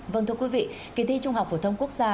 vâng thưa quý vị kỳ thi trung học phổ thông quốc gia